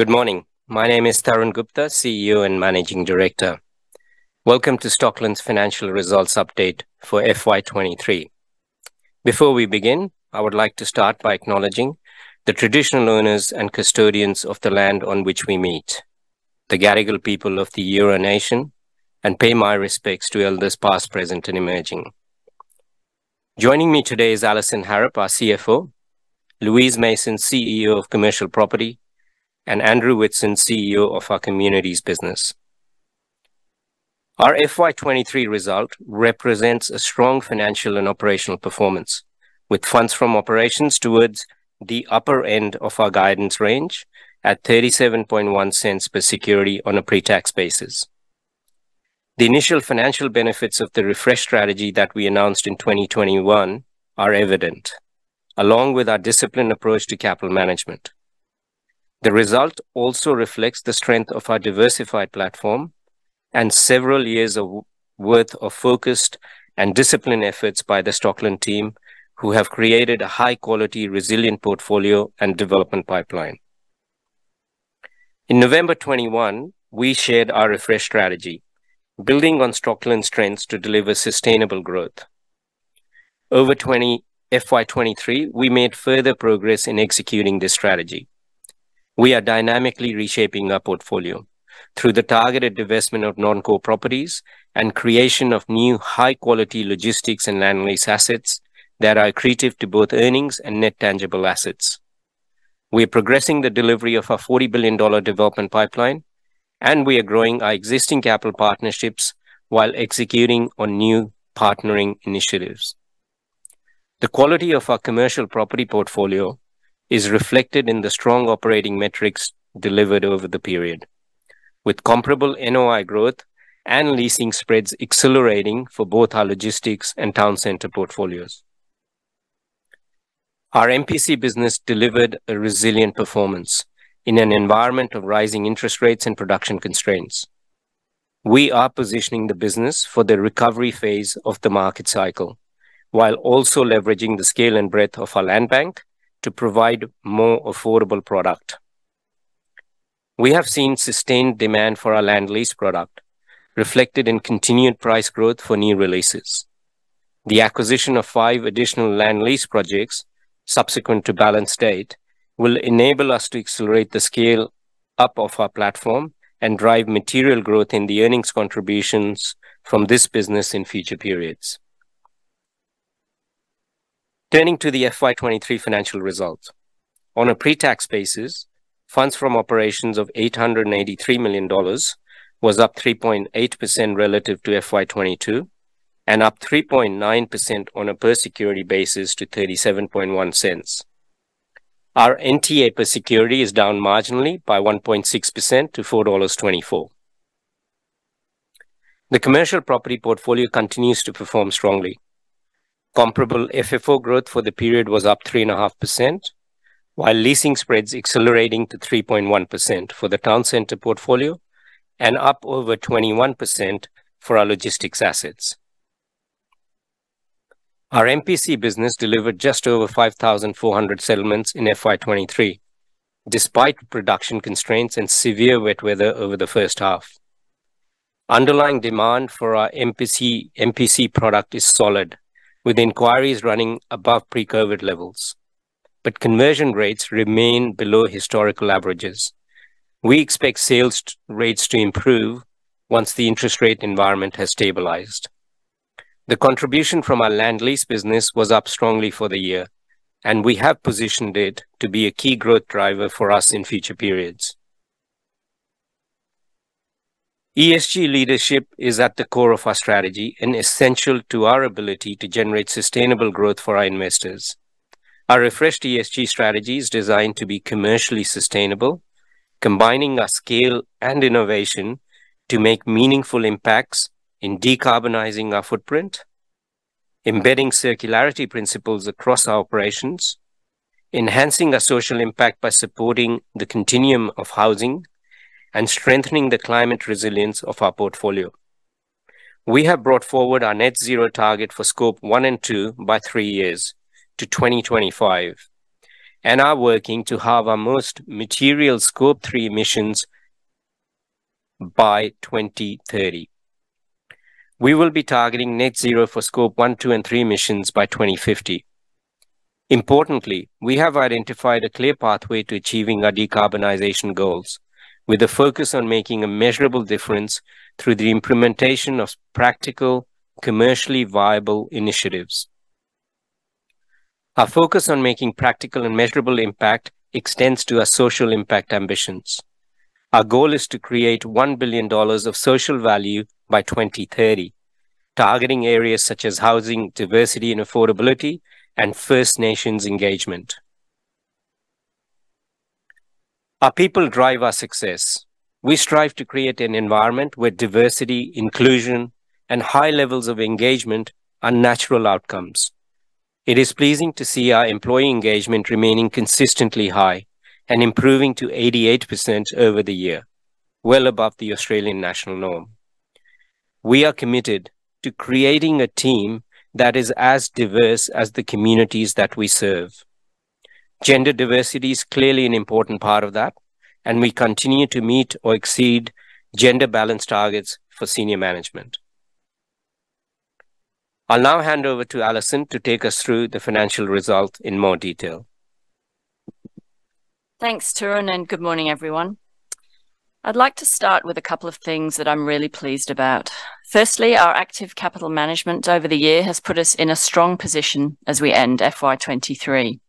Good morning. My name is Tarun Gupta, CEO and Managing Director. Welcome to Stockland's financial results update for FY 2023. Before we begin, I would like to start by acknowledging the traditional owners and custodians of the land on which we meet, the Gadigal people of the Eora Nation, and pay my respects to elders, past, present, and emerging. Joining me today is Alison Harrop, our CFO, Louise Mason, CEO of Commercial Property, and Andrew Whitson, CEO of our Communities business. Our FY 2023 result represents a strong financial and operational performance, with funds from operations towards the upper end of our guidance range at 37.1 cents per security on a pre-tax basis. The initial financial benefits of the refresh strategy that we announced in 2021 are evident, along with our disciplined approach to capital management. The result also reflects the strength of our diversified platform and several years worth of focused and disciplined efforts by the Stockland team, who have created a high-quality, resilient portfolio and development pipeline. In November 2021, we shared our refresh strategy, building on Stockland's strengths to deliver sustainable growth. Over FY 2023, we made further progress in executing this strategy. We are dynamically reshaping our portfolio through the targeted divestment of non-core properties and creation of new high-quality logistics and land lease assets that are accretive to both earnings and net tangible assets. We are progressing the delivery of our 40 billion dollar development pipeline. We are growing our existing capital partnerships while executing on new partnering initiatives. The quality of our commercial property portfolio is reflected in the strong operating metrics delivered over the period, with comparable NOI growth and leasing spreads accelerating for both our logistics and town center portfolios. Our MPC business delivered a resilient performance in an environment of rising interest rates and production constraints. We are positioning the business for the recovery phase of the market cycle, while also leveraging the scale and breadth of our land bank to provide more affordable product. We have seen sustained demand for our land lease product, reflected in continued price growth for new releases. The acquisition of five additional land lease projects subsequent to balance date, will enable us to accelerate the scale-up of our platform and drive material growth in the earnings contributions from this business in future periods. Turning to the FY 2023 financial results. On a pre-tax basis, funds from operations of 883 million dollars was up 3.8% relative to FY22. Up 3.9% on a per security basis to 0.371. Our NTA per security is down marginally by 1.6% to 4.24 dollars. The commercial property portfolio continues to perform strongly. Comparable FFO growth for the period was up 3.5%, while leasing spreads accelerating to 3.1% for the town center portfolio and up over 21% for our logistics assets. Our MPC business delivered just over 5,400 settlements in FY23, despite production constraints and severe wet weather over the first half. Underlying demand for our MPC product is solid, with inquiries running above pre-COVID levels, but conversion rates remain below historical averages. We expect sales rates to improve once the interest rate environment has stabilized. The contribution from our land lease business was up strongly for the year, and we have positioned it to be a key growth driver for us in future periods. ESG leadership is at the core of our strategy and essential to our ability to generate sustainable growth for our investors. Our refreshed ESG strategy is designed to be commercially sustainable, combining our scale and innovation to make meaningful impacts in decarbonizing our footprint, embedding circularity principles across our operations, enhancing our social impact by supporting the continuum of housing, and strengthening the climate resilience of our portfolio. We have brought forward our net zero target for Scope 1 and 2 by 3 years to 2025, and are working to halve our most material Scope 3 emissions by 2030. We will be targeting net zero for Scope 1, 2, and 3 emissions by 2050. Importantly, we have identified a clear pathway to achieving our decarbonization goals, with a focus on making a measurable difference through the implementation of practical, commercially viable initiatives. Our focus on making practical and measurable impact extends to our social impact ambitions. Our goal is to create 1 billion dollars of social value by 2030, targeting areas such as housing, diversity and affordability, and First Nations engagement. Our people drive our success. We strive to create an environment where diversity, inclusion, and high levels of engagement are natural outcomes. It is pleasing to see our employee engagement remaining consistently high and improving to 88% over the year, well above the Australian national norm. We are committed to creating a team that is as diverse as the communities that we serve. Gender diversity is clearly an important part of that, and we continue to meet or exceed gender balance targets for senior management. I'll now hand over to Alison to take us through the financial results in more detail. Thanks, Tarun, Good morning, everyone. I'd like to start with a couple of things that I'm really pleased about. Firstly, our active capital management over the year has put us in a strong position as we end FY23.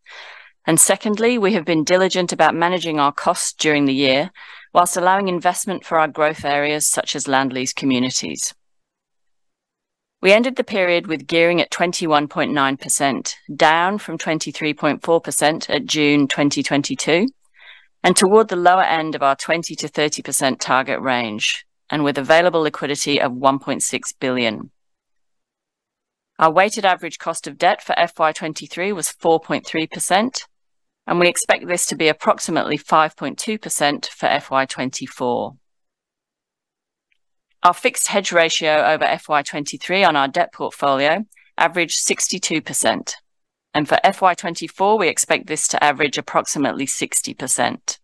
Secondly, we have been diligent about managing our costs during the year, while allowing investment for our growth areas such as land lease communities. We ended the period with gearing at 21.9%, down from 23.4% at June 2022, and toward the lower end of our 20%-30% target range, and with available liquidity of 1.6 billion. Our weighted average cost of debt for FY23 was 4.3%, and we expect this to be approximately 5.2% for FY24. Our fixed hedge ratio over FY23 on our debt portfolio averaged 62%, and for FY24, we expect this to average approximately 60%.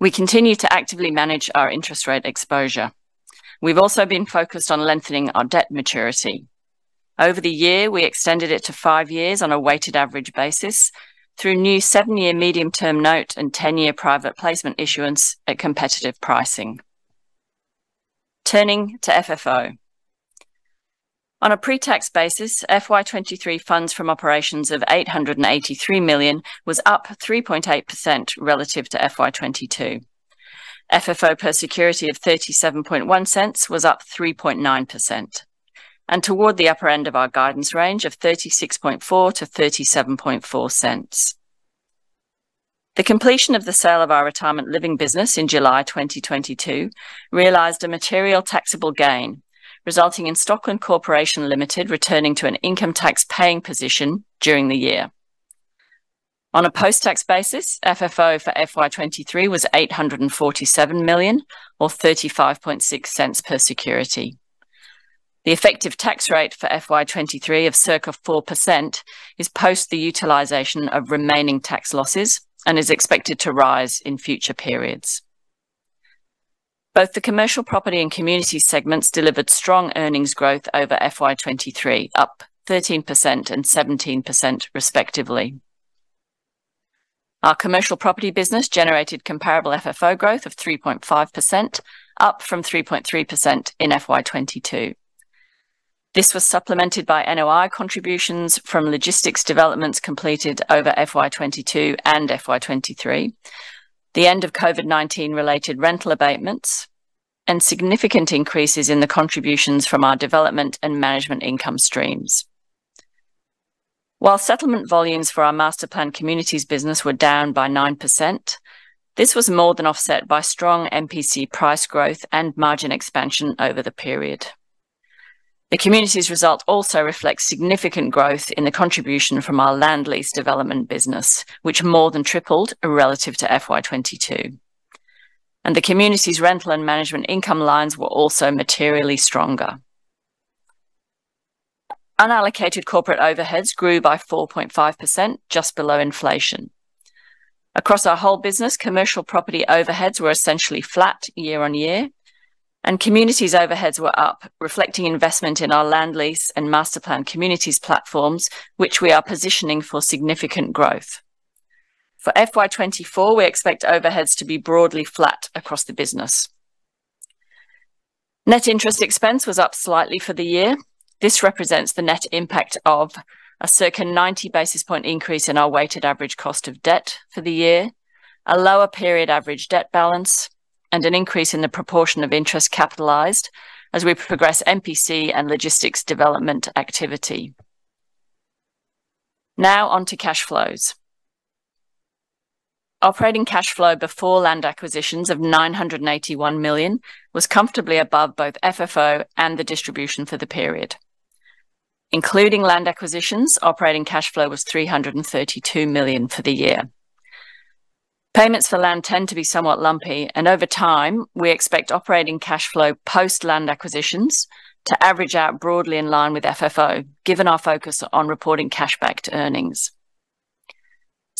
We continue to actively manage our interest rate exposure. We've also been focused on lengthening our debt maturity. Over the year, we extended it to 5 years on a weighted average basis through new 7-year medium-term note and 10-year private placement issuance at competitive pricing. Turning to FFO. On a pre-tax basis, FY23 funds from operations of 883 million was up 3.8% relative to FY22. FFO per security of 0.371 was up 3.9%, and toward the upper end of our guidance range of 0.364-0.374. The completion of the sale of our retirement living business in July 2022 realized a material taxable gain, resulting in Stockland Corporation Limited returning to an income tax paying position during the year. On a post-tax basis, FFO for FY23 was 847 million or 0.356 per security. The effective tax rate for FY23 of circa 4% is post the utilization of remaining tax losses and is expected to rise in future periods. Both the commercial property and community segments delivered strong earnings growth over FY23, up 13% and 17%, respectively. Our commercial property business generated comparable FFO growth of 3.5%, up from 3.3% in FY22. This was supplemented by NOI contributions from logistics developments completed over FY 2022 and FY 2023, the end of COVID-19 related rental abatements, and significant increases in the contributions from our development and management income streams. While settlement volumes for our masterplanned communities business were down by 9%, this was more than offset by strong MPC price growth and margin expansion over the period. The community's results also reflect significant growth in the contribution from our land lease development business, which more than tripled relative to FY 2022, and the community's rental and management income lines were also materially stronger. Unallocated corporate overheads grew by 4.5%, just below inflation. Across our whole business, commercial property overheads were essentially flat year-on-year, and communities overheads were up, reflecting investment in our land lease and masterplanned communities platforms, which we are positioning for significant growth. For FY 2024, we expect overheads to be broadly flat across the business. Net interest expense was up slightly for the year. This represents the net impact of a circa 90 basis point increase in our weighted average cost of debt for the year, a lower period average debt balance, and an increase in the proportion of interest capitalized as we progress MPC and logistics development activity. On to cash flows. Operating cash flow before land acquisitions of 981 million was comfortably above both FFO and the distribution for the period. Including land acquisitions, operating cash flow was 332 million for the year. Payments for land tend to be somewhat lumpy. Over time, we expect operating cash flow post-land acquisitions to average out broadly in line with FFO, given our focus on reporting cash back to earnings.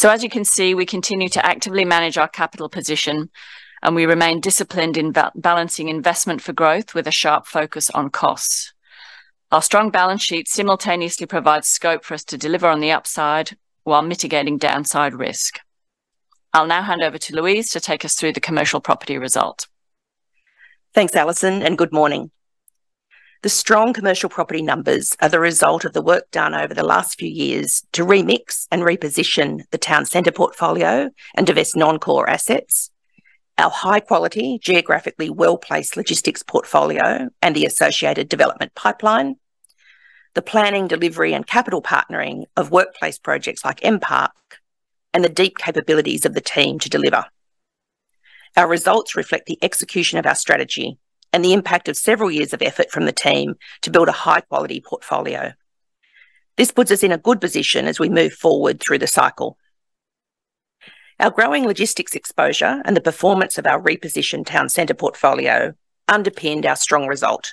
As you can see, we continue to actively manage our capital position, we remain disciplined in balancing investment for growth with a sharp focus on costs. Our strong balance sheet simultaneously provides scope for us to deliver on the upside while mitigating downside risk. I'll now hand over to Louise to take us through the commercial property result. Thanks, Alison. Good morning. The strong commercial property numbers are the result of the work done over the last few years to remix and reposition the town center portfolio and divest non-core assets, our high quality, geographically well-placed logistics portfolio and the associated development pipeline, the planning, delivery and capital partnering of workplace projects like MPark, and the deep capabilities of the team to deliver. Our results reflect the execution of our strategy and the impact of several years of effort from the team to build a high-quality portfolio. This puts us in a good position as we move forward through the cycle. Our growing logistics exposure and the performance of our repositioned town center portfolio underpinned our strong result.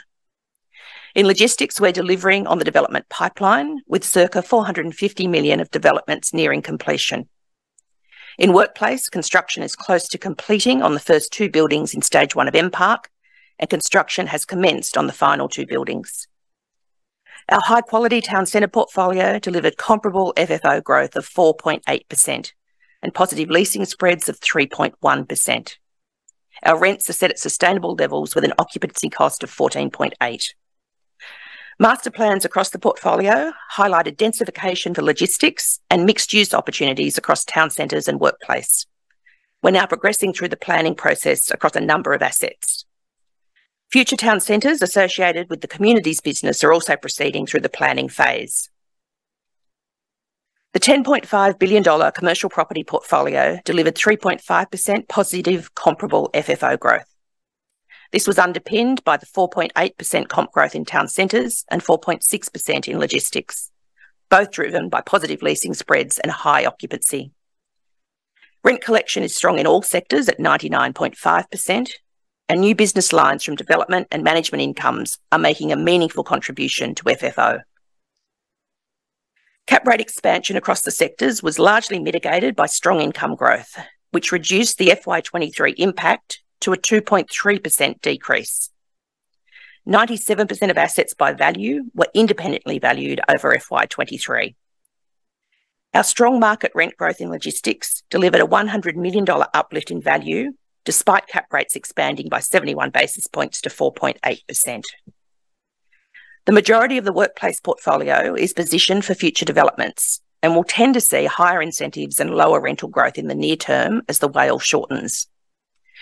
In logistics, we're delivering on the development pipeline with circa 450 million of developments nearing completion. In workplace, construction is close to completing on the first two buildings in stage one of MPark, and construction has commenced on the final two buildings. Our high-quality town center portfolio delivered comparable FFO growth of 4.8% and positive leasing spreads of 3.1%. Our rents are set at sustainable levels with an occupancy cost of 14.8%. Master plans across the portfolio highlighted densification for logistics and mixed-use opportunities across town centers and workplace. We're now progressing through the planning process across a number of assets. Future town centers associated with the communities business are also proceeding through the planning phase. The 10.5 billion dollar commercial property portfolio delivered 3.5% positive comparable FFO growth. This was underpinned by the 4.8% comp growth in town centers and 4.6% in logistics, both driven by positive leasing spreads and high occupancy. Rent collection is strong in all sectors at 99.5%, and new business lines from development and management incomes are making a meaningful contribution to FFO. Cap rate expansion across the sectors was largely mitigated by strong income growth, which reduced the FY23 impact to a 2.3% decrease. 97% of assets by value were independently valued over FY23. Our strong market rent growth in logistics delivered an AUD 100 million uplift in value, despite cap rates expanding by 71 basis points to 4.8%. The majority of the workplace portfolio is positioned for future developments and will tend to see higher incentives and lower rental growth in the near term as the WALE shortens.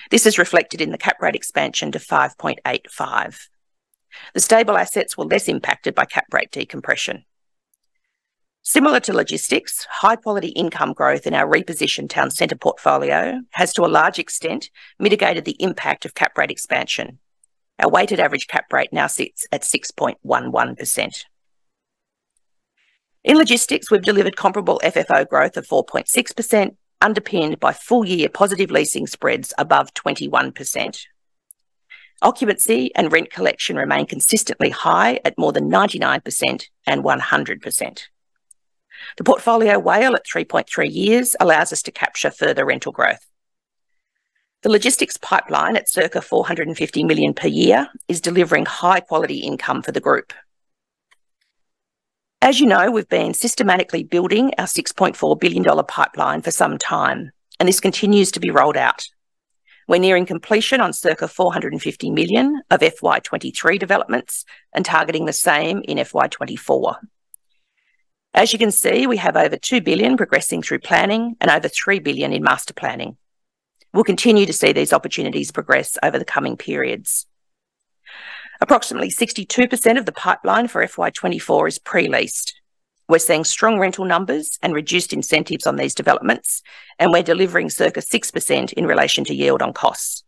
This is reflected in the cap rate expansion to 5.85. The stable assets were less impacted by cap rate decompression. Similar to logistics, high-quality income growth in our repositioned town center portfolio has, to a large extent, mitigated the impact of cap rate expansion. Our weighted average cap rate now sits at 6.11%. In logistics, we've delivered comparable FFO growth of 4.6%, underpinned by full-year positive leasing spreads above 21%. Occupancy and rent collection remain consistently high at more than 99% and 100%. The portfolio WALE at 3.3 years allows us to capture further rental growth. The logistics pipeline at circa 450 million per year is delivering high-quality income for the group. As you know, we've been systematically building our 6.4 billion dollar pipeline for some time, and this continues to be rolled out. We're nearing completion on circa 450 million of FY23 developments and targeting the same in FY24. As you can see, we have over 2 billion progressing through planning and over 3 billion in master planning. We'll continue to see these opportunities progress over the coming periods. Approximately 62% of the pipeline for FY24 is pre-leased. We're seeing strong rental numbers and reduced incentives on these developments, and we're delivering circa 6% in relation to yield on costs.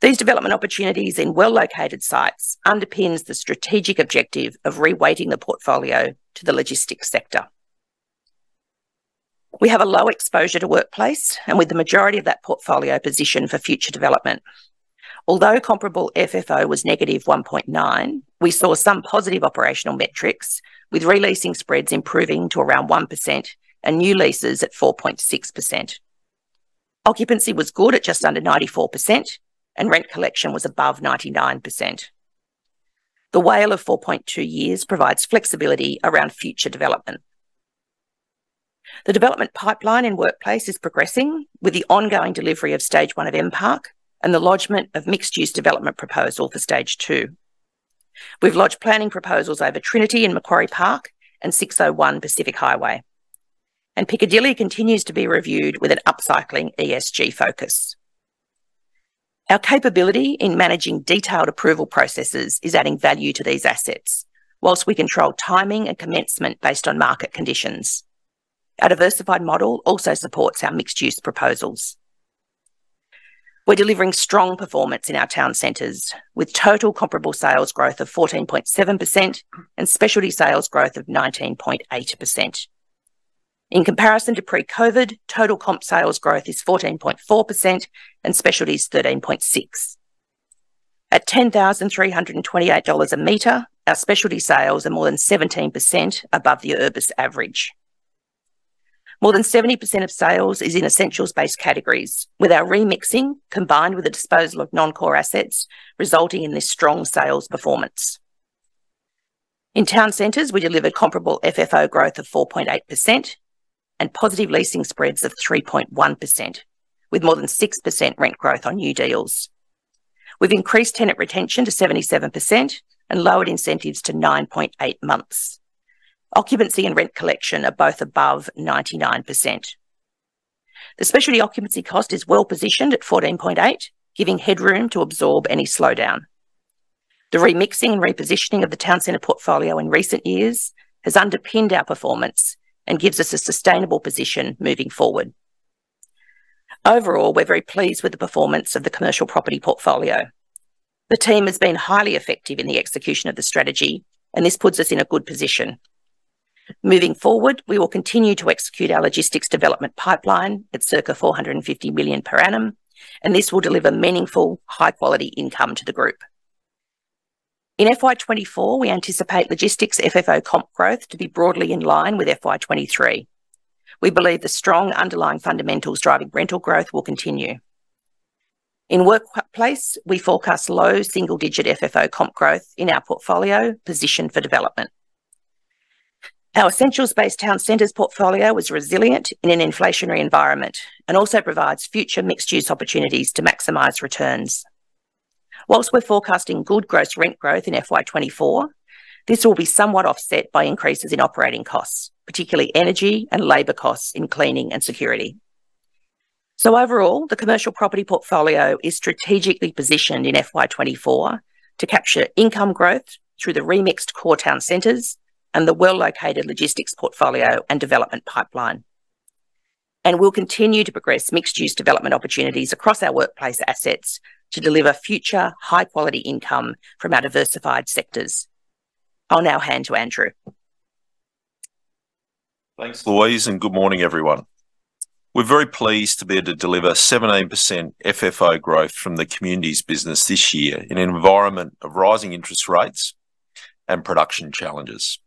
These development opportunities in well-located sites underpins the strategic objective of reweighting the portfolio to the logistics sector. We have a low exposure to workplace, and with the majority of that portfolio positioned for future development. Although comparable FFO was negative 1.9, we saw some positive operational metrics, with re-leasing spreads improving to around 1% and new leases at 4.6%. Occupancy was good at just under 94%, and rent collection was above 99%. The WALE of 4.2 years provides flexibility around future development. The development pipeline in workplace is progressing with the ongoing delivery of Stage 1 of MPark and the lodgement of mixed-use development proposal for Stage 2. We've lodged planning proposals over Trinity and Macquarie Park and 601 Pacific Highway, and Piccadilly continues to be reviewed with an upcycling ESG focus. Our capability in managing detailed approval processes is adding value to these assets, while we control timing and commencement based on market conditions. Our diversified model also supports our mixed-use proposals. We're delivering strong performance in our town centers, with total comparable sales growth of 14.7% and specialty sales growth of 19.8%. In comparison to pre-COVID, total comp sales growth is 14.4% and specialty is 13.6%. At 10,328 dollars a meter, our specialty sales are more than 17% above the Urbis average. More than 70% of sales is in essentials-based categories, with our remixing combined with the disposal of non-core assets resulting in this strong sales performance. In town centers, we delivered comparable FFO growth of 4.8% and positive leasing spreads of 3.1%, with more than 6% rent growth on new deals. We've increased tenant retention to 77% and lowered incentives to 9.8 months. Occupancy and rent collection are both above 99%. The specialty occupancy cost is well-positioned at 14.8%, giving headroom to absorb any slowdown. The remixing and repositioning of the town center portfolio in recent years has underpinned our performance and gives us a sustainable position moving forward. Overall, we're very pleased with the performance of the commercial property portfolio. The team has been highly effective in the execution of the strategy, and this puts us in a good position. Moving forward, we will continue to execute our logistics development pipeline at circa 450 million per annum, and this will deliver meaningful, high-quality income to the group. In FY 2024, we anticipate logistics FFO comp growth to be broadly in line with FY 2023. We believe the strong underlying fundamentals driving rental growth will continue. In workplace, we forecast low single-digit FFO comp growth in our portfolio position for development. Our essentials-based town centers portfolio was resilient in an inflationary environment and also provides future mixed-use opportunities to maximize returns. Whilst we're forecasting good gross rent growth in FY 2024, this will be somewhat offset by increases in operating costs, particularly energy and labor costs in cleaning and security. Overall, the commercial property portfolio is strategically positioned in FY 2024 to capture income growth through the remixed core town centers and the well-located logistics portfolio and development pipeline. We'll continue to progress mixed-use development opportunities across our workplace assets to deliver future high-quality income from our diversified sectors. I'll now hand to Andrew. Thanks, Louise. Good morning, everyone. We're very pleased to be able to deliver 17% FFO growth from the communities business this year in an environment of rising interest rates and production challenges.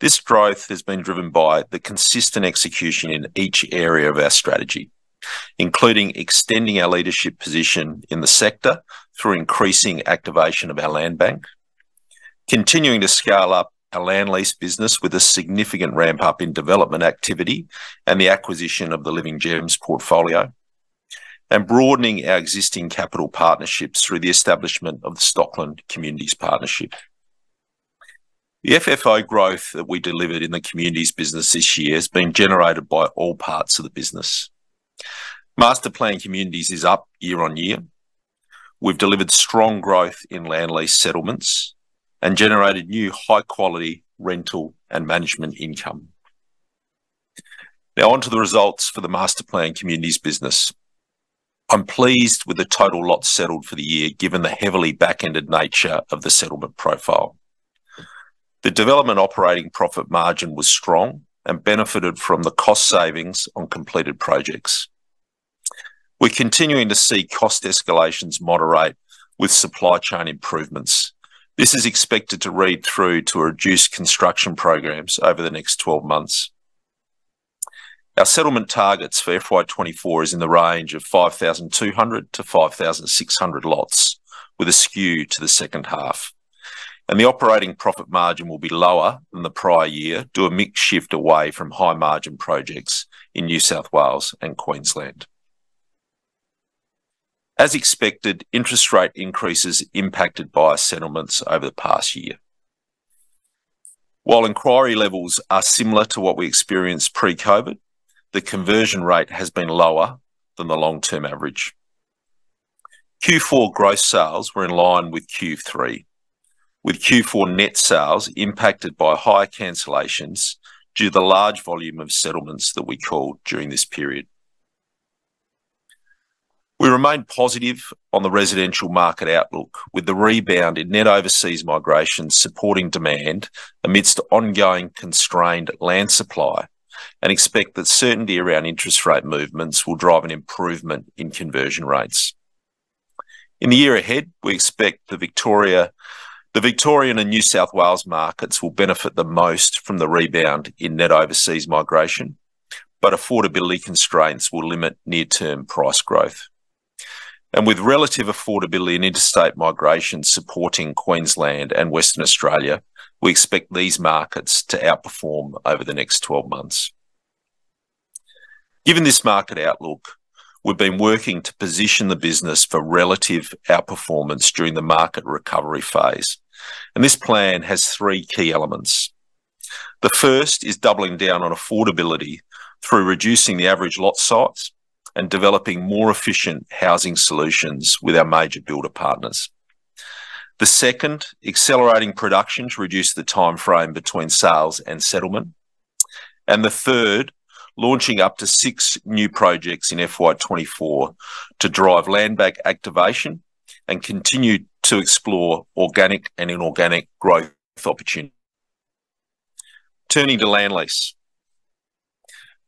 This growth has been driven by the consistent execution in each area of our strategy, including extending our leadership position in the sector through increasing activation of our land bank, continuing to scale up our land lease business with a significant ramp-up in development activity and the acquisition of the Living Gems portfolio, and broadening our existing capital partnerships through the establishment of the Stockland Communities Partnership. The FFO growth that we delivered in the communities business this year has been generated by all parts of the business. Master-planned communities is up year-on-year. We've delivered strong growth in land lease settlements and generated new high-quality rental and management income. On to the results for the master-planned communities business. I'm pleased with the total lots settled for the year, given the heavily back-ended nature of the settlement profile. The development operating profit margin was strong and benefited from the cost savings on completed projects. We're continuing to see cost escalations moderate with supply chain improvements. This is expected to read through to a reduced construction programs over the next 12 months. Our settlement targets for FY24 is in the range of 5,200 to 5,600 lots, with a skew to the second half, and the operating profit margin will be lower than the prior year due to a mix shift away from high-margin projects in New South Wales and Queensland. As expected, interest rate increases impacted by our settlements over the past year. While inquiry levels are similar to what we experienced pre-COVID-19, the conversion rate has been lower than the long-term average. Q4 gross sales were in line with Q3, with Q4 net sales impacted by higher cancellations due to the large volume of settlements that we called during this period. We remain positive on the residential market outlook, with the rebound in net overseas migration supporting demand amidst ongoing constrained land supply, and expect that certainty around interest rate movements will drive an improvement in conversion rates. In the year ahead, we expect the Victorian and New South Wales markets will benefit the most from the rebound in net overseas migration, but affordability constraints will limit near-term price growth. With relative affordability and interstate migration supporting Queensland and Western Australia, we expect these markets to outperform over the next 12 months. Given this market outlook, we've been working to position the business for relative outperformance during the market recovery phase, and this plan has 3 key elements. The first is doubling down on affordability through reducing the average lot size and developing more efficient housing solutions with our major builder partners. The second, accelerating production to reduce the timeframe between sales and settlement. The third, launching up to 6 new projects in FY 2024 to drive land bank activation and continue to explore organic and inorganic growth opportunities. Turning to land lease.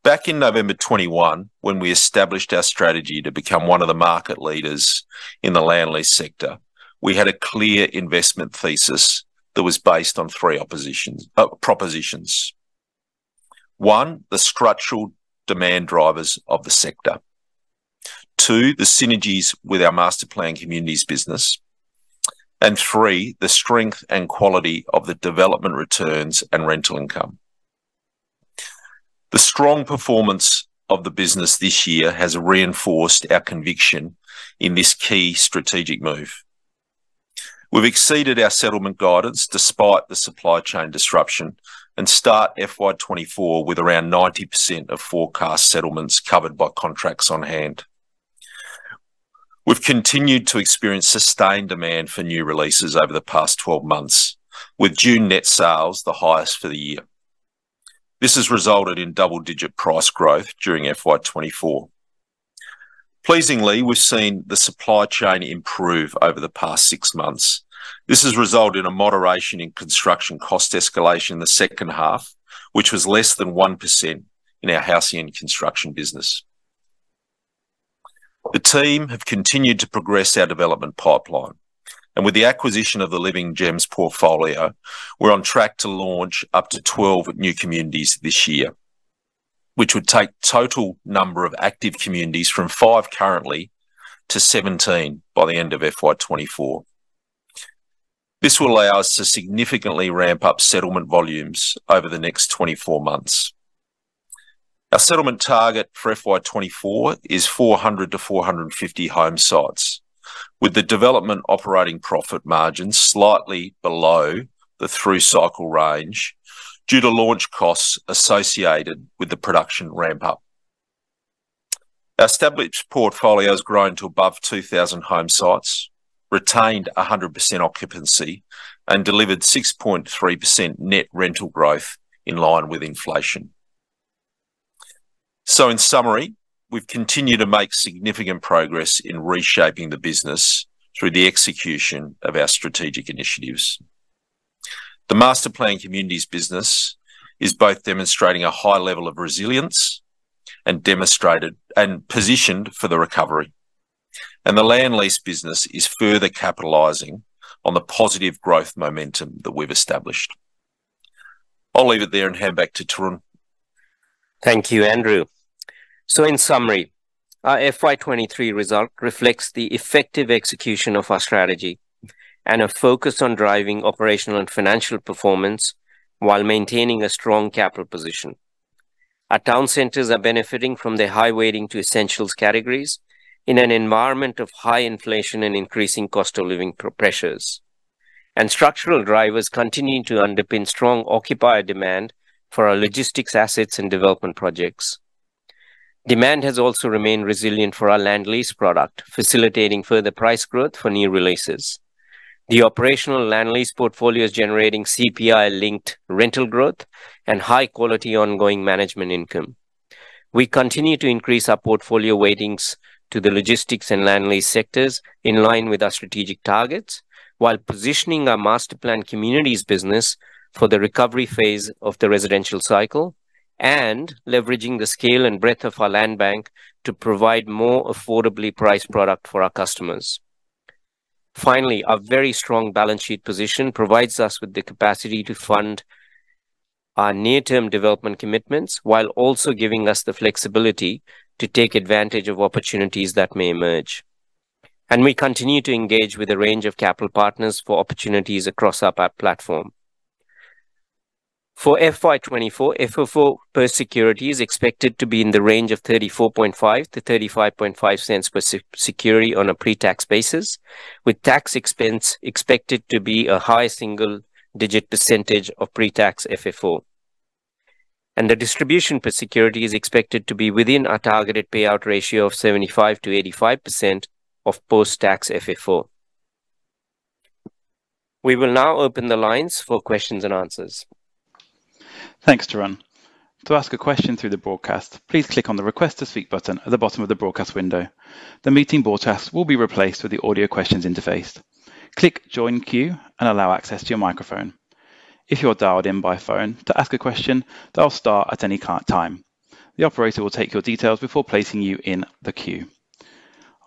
Back in November 2021, when we established our strategy to become one of the market leaders in the land lease sector, we had a clear investment thesis that was based on 3 oppositions, propositions. One, the structural demand drivers of the sector, two, the synergies with our master-planned communities business, and three, the strength and quality of the development returns and rental income. The strong performance of the business this year has reinforced our conviction in this key strategic move. We've exceeded our settlement guidance despite the supply chain disruption, and start FY 2024 with around 90% of forecast settlements covered by contracts on hand. We've continued to experience sustained demand for new releases over the past 12 months, with June net sales the highest for the year. This has resulted in double-digit price growth during FY 2024. Pleasingly, we've seen the supply chain improve over the past 6 months. This has resulted in a moderation in construction cost escalation in the second half, which was less than 1% in our housing and construction business. The team have continued to progress our development pipeline. With the acquisition of the Living Gems portfolio, we're on track to launch up to 12 new communities this year, which would take total number of active communities from 5 currently to 17 by the end of FY 2024. This will allow us to significantly ramp up settlement volumes over the next 24 months. Our settlement target for FY 2024 is 400-450 home sites, with the development operating profit margin slightly below the through cycle range due to launch costs associated with the production ramp up. Our established portfolio has grown to above 2,000 home sites, retained 100% occupancy, and delivered 6.3% net rental growth in line with inflation. In summary, we've continued to make significant progress in reshaping the business through the execution of our strategic initiatives. The Master- planned Communities business is both demonstrating a high level of resilience and positioned for the recovery, and the land lease business is further capitalizing on the positive growth momentum that we've established. I'll leave it there and hand back to Tarun. Thank you, Andrew. In summary, our FY23 result reflects the effective execution of our strategy and a focus on driving operational and financial performance while maintaining a strong capital position. Our town centers are benefiting from the high weighting to essentials categories in an environment of high inflation and increasing cost of living pressures. Structural drivers continuing to underpin strong occupier demand for our logistics assets and development projects. Demand has also remained resilient for our land lease product, facilitating further price growth for new releases. The operational land lease portfolio is generating CPI-linked rental growth and high-quality ongoing management income. We continue to increase our portfolio weightings to the logistics and land lease sectors in line with our strategic targets, while positioning our Masterplanned Communities business for the recovery phase of the residential cycle and leveraging the scale and breadth of our land bank to provide more affordably priced product for our customers. Finally, our very strong balance sheet position provides us with the capacity to fund our near-term development commitments, while also giving us the flexibility to take advantage of opportunities that may emerge. We continue to engage with a range of capital partners for opportunities across our platform. For FY 2024, FFO per security is expected to be in the range of 0.345-0.355 per security on a pre-tax basis, with tax expense expected to be a high single-digit % of pre-tax FFO. The distribution per security is expected to be within our targeted payout ratio of 75%-85% of post-tax FFO. We will now open the lines for questions and answers. Thanks, Tarun. To ask a question through the broadcast, please click on the Request to Speak button at the bottom of the broadcast window. The meeting broadcast will be replaced with the audio questions interface. Click Join Queue and allow access to your microphone. If you're dialed in by phone, to ask a question, dial star at any time. The operator will take your details before placing you in the queue.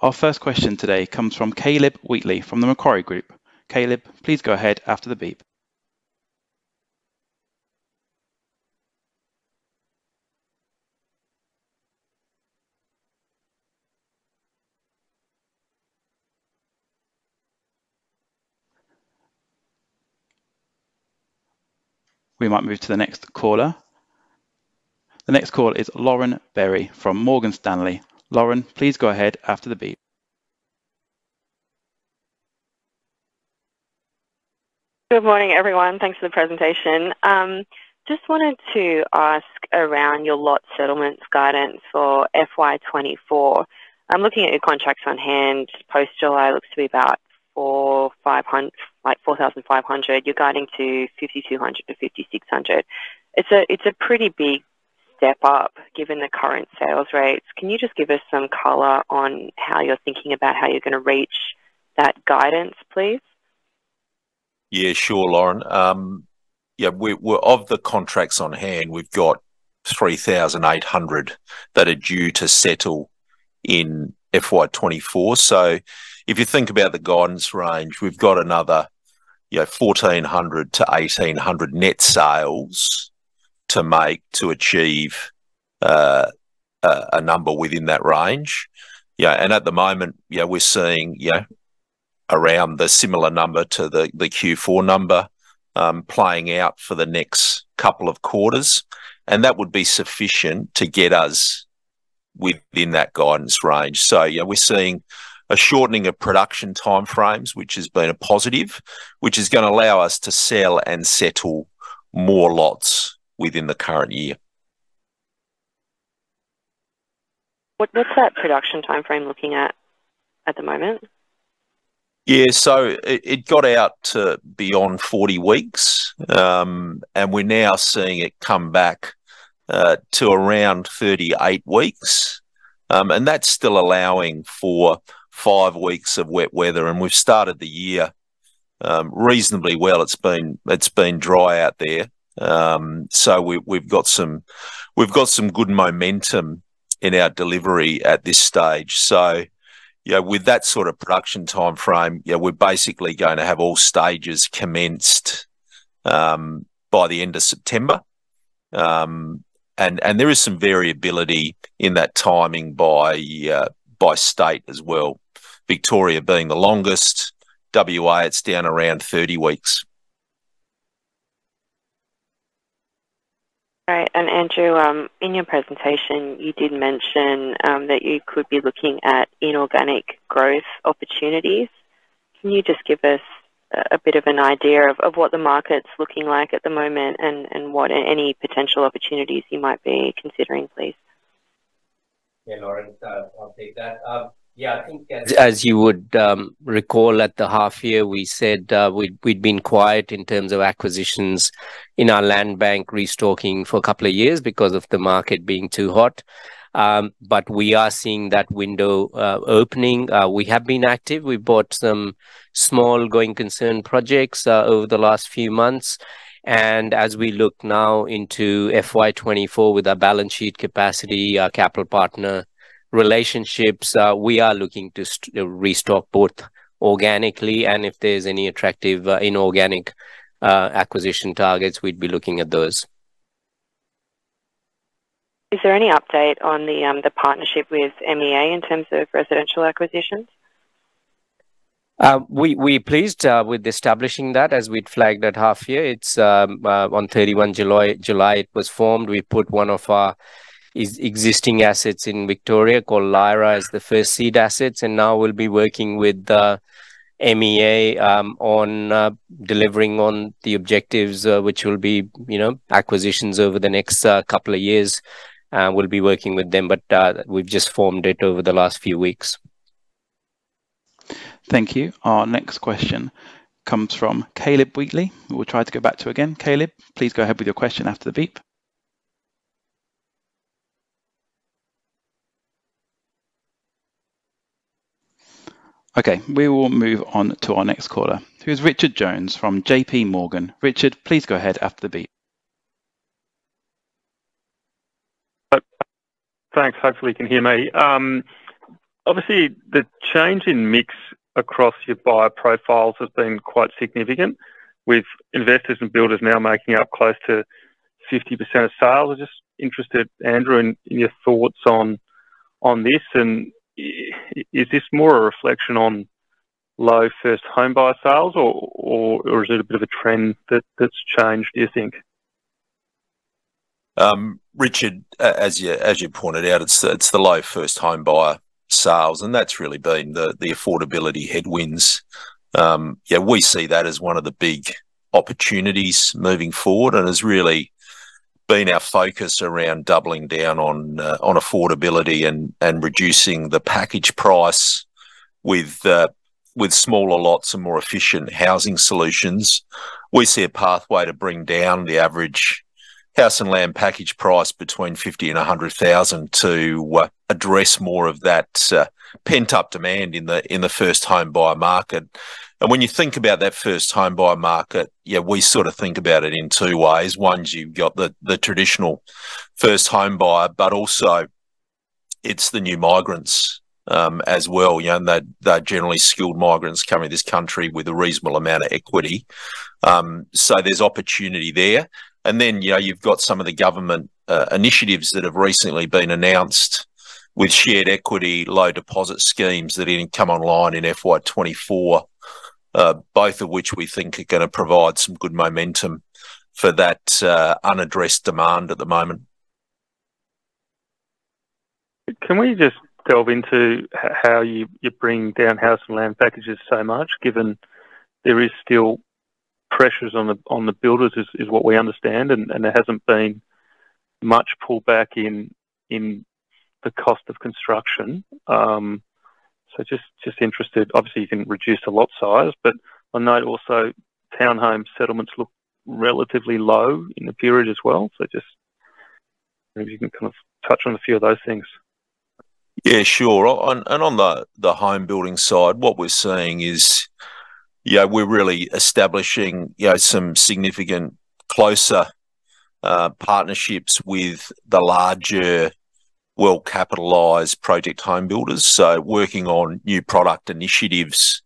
Our first question today comes from Caleb Wheatley from the Macquarie Group. Caleb, please go ahead after the beep. We might move to the next caller. The next caller is Lauren Berry from Morgan Stanley. Lauren, please go ahead after the beep. Good morning, everyone. Thanks for the presentation. just wanted to ask around your lot settlements guidance for FY24. I'm looking at your contracts on hand post-July. It looks to be about like 4,500. You're guiding to 5,200-5,600. It's a pretty big step up given the current sales rates. Can you just give us some color on how you're thinking about how you're going to reach that guidance, please? Sure, Lauren. Of the contracts on hand, we've got 3,800 that are due to settle in FY24. If you think about the guidance range, we've got another, you know, 1,400-1,800 net sales to make to achieve a number within that range. At the moment, we're seeing, you know, around the similar number to the Q4 number playing out for the next couple of quarters, and that would be sufficient to get us within that guidance range. We're seeing a shortening of production timeframes, which has been a positive, which is gonna allow us to sell and settle more lots within the current year. What's that production timeframe looking at the moment? Yeah, it got out to beyond 40 weeks, we're now seeing it come back to around 38 weeks. That's still allowing for 5 weeks of wet weather, we've started the year reasonably well. It's been dry out there. We've got some good momentum in our delivery at this stage. You know, with that sort of production timeframe, yeah, we're basically going to have all stages commenced by the end of September. There is some variability in that timing by state as well. Victoria being the longest, WA, it's down around 30 weeks. All right. Andrew, in your presentation, you did mention that you could be looking at inorganic growth opportunities. Can you just give us a bit of an idea of what the market's looking like at the moment and any potential opportunities you might be considering, please? Lauren, I'll take that. I think as you would recall at the half year, we said we'd been quiet in terms of acquisitions in our land bank restocking for a couple of years because of the market being too hot. We are seeing that window opening. We have been active. We've bought some small going concern projects over the last few months, and as we look now into FY 2024 with our balance sheet capacity, our capital partner relationships, we are looking to restock both organically and if there's any attractive inorganic acquisition targets, we'd be looking at those. Is there any update on the partnership with MEA in terms of residential acquisitions? We're pleased with establishing that as we'd flagged at half year. It's on 31 July it was formed. We put one of our existing assets in Victoria called Lyra as the first seed assets. Now we'll be working with MEA on delivering on the objectives, which will be, you know, acquisitions over the next couple of years. We'll be working with them, but we've just formed it over the last few weeks. Thank you. Our next question comes from Caleb Wheatley. We'll try to get back to you again. Caleb, please go ahead with your question after the beep. Okay, we will move on to our next caller, who is Richard Jones from J.P. Morgan. Richard, please go ahead after the beep. Thanks. Hopefully you can hear me. Obviously, the change in mix across your buyer profiles has been quite significant, with investors and builders now making up close to 50% of sales. I'm just interested, Andrew, in your thoughts on this, and is this more a reflection on low first homebuyer sales or is it a bit of a trend that's changed, do you think? Richard, as you pointed out, it's the low first homebuyer sales, that's really been the affordability headwinds. We see that as one of the big opportunities moving forward and has really been our focus around doubling down on affordability and reducing the package price with smaller lots and more efficient housing solutions. We see a pathway to bring down the average house and land package price between 50,000 and 100,000 to address more of that pent-up demand in the first homebuyer market. When you think about that first homebuyer market, we sort of think about it in two ways. One is you've got the traditional first homebuyer, but also it's the new migrants as well, you know. They're generally skilled migrants coming to this country with a reasonable amount of equity. There's opportunity there. Then, you know, you've got some of the government initiatives that have recently been announced with shared equity, low deposit schemes that even come online in FY 24, both of which we think are gonna provide some good momentum for that unaddressed demand at the moment. Can we just delve into how you bring down house and land packages so much, given there is still pressures on the builders, is what we understand, and there hasn't been much pullback in the cost of construction? Just interested. Obviously, you can reduce the lot size, but I know also townhome settlements look relatively low in the period as well. Maybe you can kind of touch on a few of those things. Yeah, sure. On the home building side, what we're seeing is, you know, we're really establishing, you know, some significant closer partnerships with the larger well-capitalized project home builders. Working on new product initiatives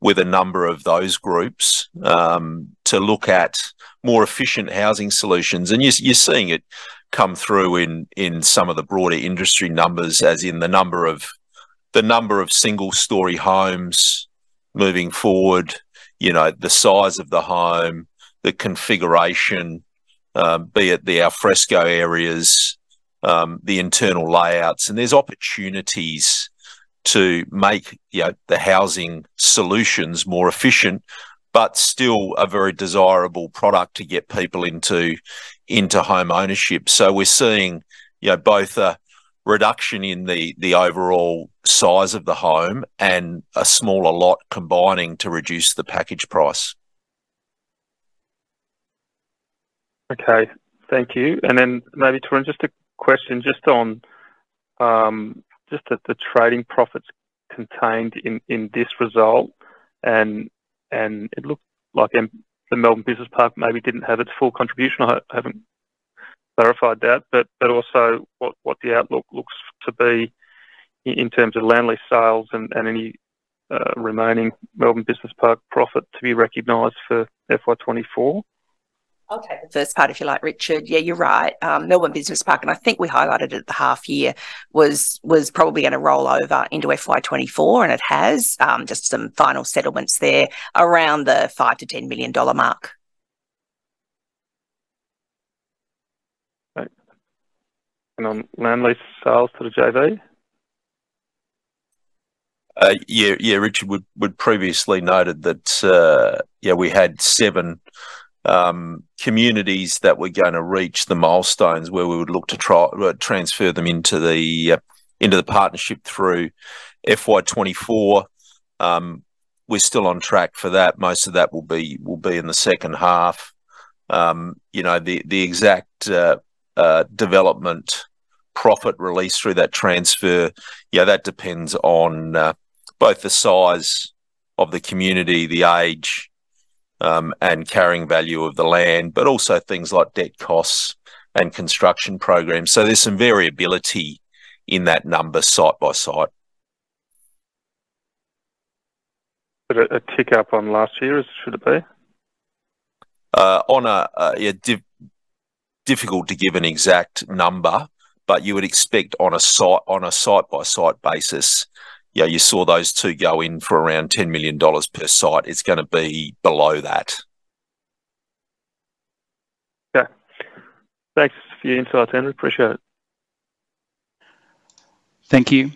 with a number of those groups to look at more efficient housing solutions. You're seeing it come through in some of the broader industry numbers, as in the number of single-story homes moving forward, you know, the size of the home, the configuration, be it the alfresco areas, the internal layouts. There's opportunities.... to make, you know, the housing solutions more efficient, but still a very desirable product to get people into homeownership. We're seeing, you know, both a reduction in the overall size of the home and a smaller lot combining to reduce the package price. Okay, thank you. Then maybe, Tarun, just a question just on just at the trading profits contained in this result, and it looked like in the Melbourne Business Park maybe didn't have its full contribution. I haven't verified that, but also what the outlook looks to be in terms of land lease sales and any remaining Melbourne Business Park profit to be recognized for FY 2024? I'll take the first part, if you like, Richard. Yeah, you're right. Melbourne Business Park, I think we highlighted it at the half year, was probably gonna roll over into FY 2024. It has just some final settlements there around the 5 million-10 million dollar mark. Okay. On land lease sales to the JV? Yeah, Richard, we'd previously noted that, yeah, we had seven communities that were gonna reach the milestones where we would look to transfer them into the partnership through FY 2024. We're still on track for that. Most of that will be in the second half. You know, the exact development profit released through that transfer, yeah, that depends on both the size of the community, the age, and carrying value of the land, but also things like debt costs and construction programs. There's some variability in that number, site by site. A tick up on last year, should it be? Yeah, difficult to give an exact number. You would expect on a site-by-site basis. Yeah, you saw those two go in for around 10 million dollars per site. It's gonna be below that. Yeah. Thanks for your insight, Andrew. Appreciate it. Thank you.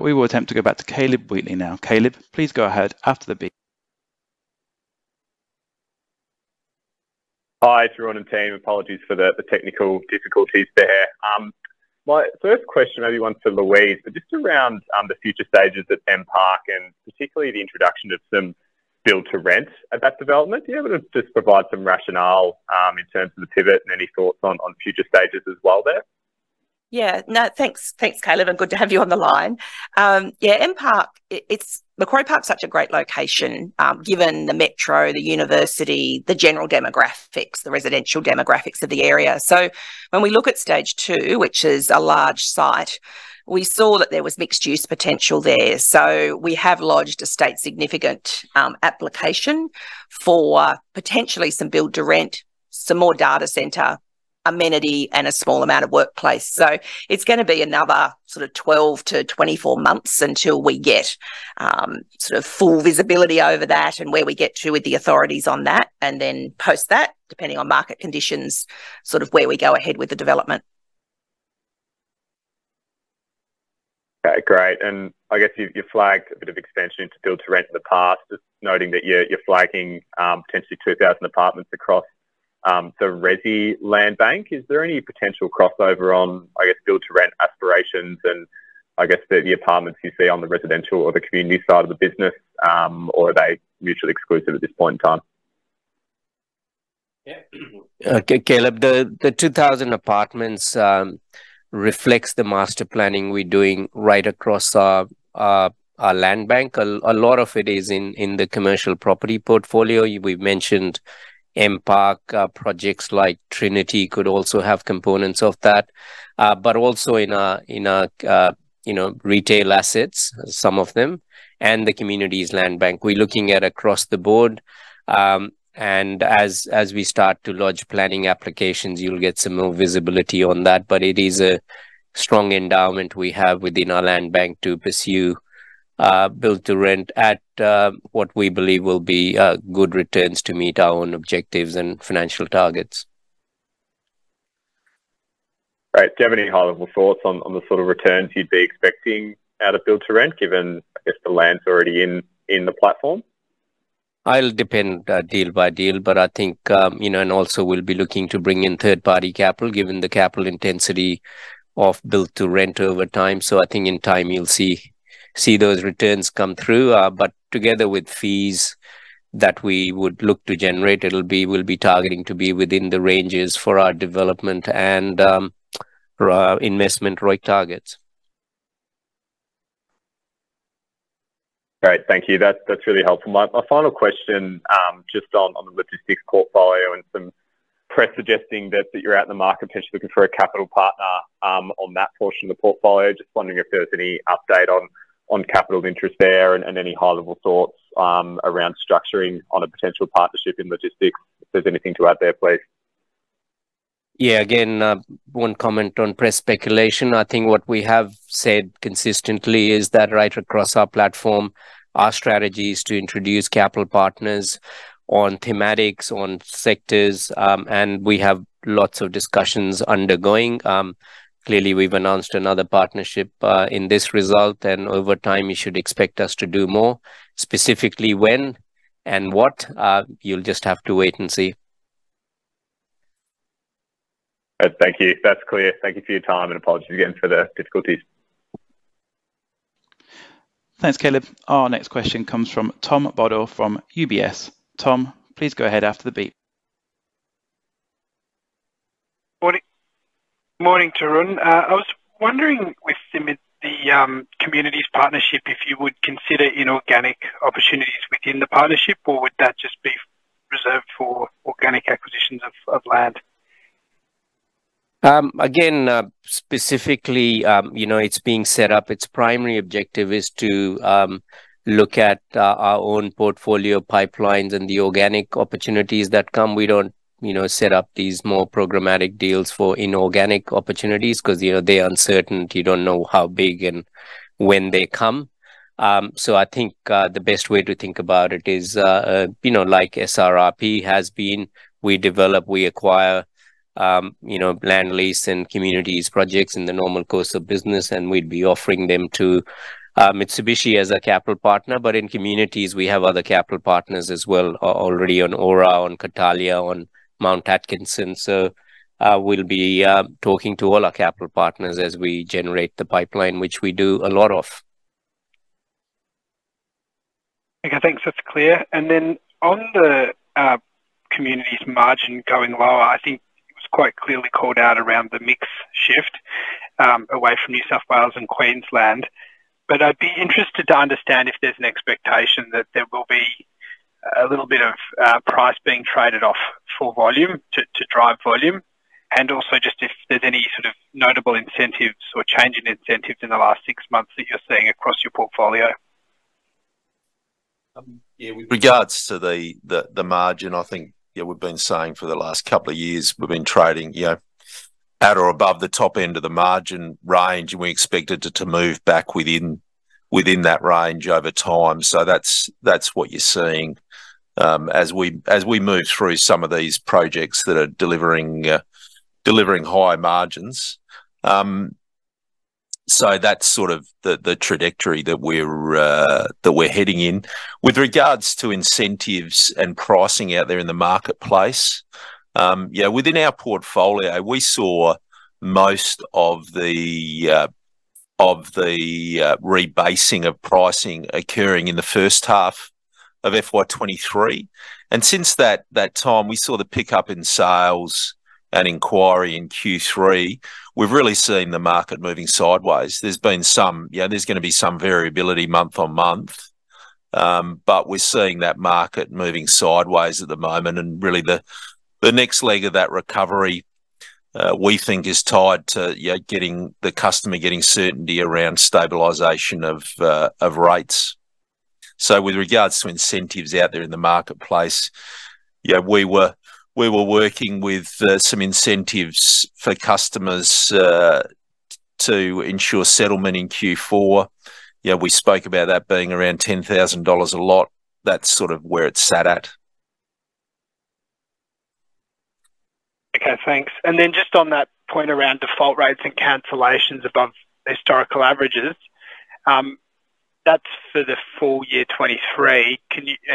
We will attempt to go back to Caleb Wheatley now. Caleb, please go ahead after the beep. Hi, Tarun and team. Apologies for the technical difficulties there. My first question, maybe one for Louise, but just around the future stages at MPark and particularly the introduction of some build-to-rent at that development. Are you able to just provide some rationale in terms of the pivot and any thoughts on future stages as well there? No, thanks, Caleb, and good to have you on the line. MPark, Macquarie Park is such a great location, given the metro, the university, the general demographics, the residential demographics of the area. When we look at stage two, which is a large site, we saw that there was mixed-use potential there. We have lodged a State Significant application for potentially some build-to-rent, some more data center, amenity, and a small amount of workplace. It's gonna be another sort of 12-24 months until we get sort of full visibility over that and where we get to with the authorities on that. Then post that, depending on market conditions, sort of where we go ahead with the development. Okay, great. I guess you flagged a bit of expansion into build-to-rent in the past, just noting that you're flagging, potentially 2,000 apartments across the resi land bank. Is there any potential crossover on, I guess, build-to-rent aspirations and I guess the apartments you see on the residential or the community side of the business, or are they mutually exclusive at this point in time? Yeah. Okay, Caleb, the 2,000 apartments reflects the master planning we're doing right across our land bank. A lot of it is in the commercial property portfolio. We've mentioned MPark, projects like Trinity could also have components of that, but also in our, you know, retail assets, some of them, and the communities land bank. We're looking at across the board, and as we start to lodge planning applications, you'll get some more visibility on that. It is a strong endowment we have within our land bank to pursue build-to-rent at what we believe will be good returns to meet our own objectives and financial targets. Right. Do you have any high-level thoughts on the sort of returns you'd be expecting out of build-to-rent, given, I guess, the land's already in the platform? It'll depend, deal by deal, but I think, you know, and also we'll be looking to bring in third-party capital, given the capital intensity of build-to-rent over time. I think in time you'll see those returns come through, but together with fees that we would look to generate, we'll be targeting to be within the ranges for our development and for our investment rate targets. Great. Thank you. That's really helpful. My final question, just on the logistics portfolio and some press suggesting that you're out in the market potentially looking for a capital partner, on that portion of the portfolio. Just wondering if there's any update on capital of interest there and any high-level thoughts around structuring on a potential partnership in logistics. If there's anything to add there, please. Again, one comment on press speculation. I think what we have said consistently is that right across our platform, our strategy is to introduce capital partners on thematics, on sectors, and we have lots of discussions undergoing. Clearly, we've announced another partnership in this result, and over time, you should expect us to do more. Specifically, when? What, you'll just have to wait and see. Thank you. That's clear. Thank you for your time, and apologies again for the difficulties. Thanks, Caleb. Our next question comes from Tom Bodor from UBS. Tom, please go ahead after the beep. Morning. Morning, Tarun. I was wondering with the communities partnership, if you would consider inorganic opportunities within the partnership, or would that just be reserved for organic acquisitions of land? Specifically, it's being set up. Its primary objective is to look at our own portfolio pipelines and the organic opportunities that come. We don't set up these more programmatic deals for inorganic opportunities 'cause they're uncertain. You don't know how big and when they come. I think the best way to think about it is SCP has been, we develop, we acquire land lease and communities projects in the normal course of business, and we'd be offering them to Mitsubishi as a capital partner. In communities, we have other capital partners as well, already on Aura, on Catalia, on Mount Atkinson. We'll be talking to all our capital partners as we generate the pipeline, which we do a lot of. Okay, thanks. That's clear. On the communities margin going well, I think it was quite clearly called out around the mix shift away from New South Wales and Queensland. I'd be interested to understand if there's an expectation that there will be a little bit of price being traded off for volume to drive volume, and also just if there's any sort of notable incentives or change in incentives in the last six months that you're seeing across your portfolio. Yeah, with regards to the margin, I think, yeah, we've been saying for the last couple of years, we've been trading, you know, at or above the top end of the margin range, and we expected it to move back within that range over time. That's what you're seeing, as we move through some of these projects that are delivering high margins. That's sort of the trajectory that we're heading in. With regards to incentives and pricing out there in the marketplace, within our portfolio, we saw most of the rebasing of pricing occurring in the first half of FY23. Since that time, we saw the pickup in sales and inquiry in Q3. We've really seen the market moving sideways. There's been some... Yeah, there's gonna be some variability month-on-month, but we're seeing that market moving sideways at the moment. Really, the next leg of that recovery, we think, is tied to, you know, the customer getting certainty around stabilization of rates. With regards to incentives out there in the marketplace, yeah, we were working with some incentives for customers to ensure settlement in Q4. Yeah, we spoke about that being around 10,000 dollars a lot. That's sort of where it sat at. Okay, thanks. Just on that point around default rates and cancellations above historical averages, that's for the full year 2023.